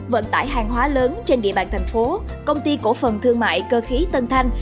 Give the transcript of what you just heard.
vận tải hàng hóa lớn trên địa bàn thành phố công ty cổ phần thương mại cơ khí tân thanh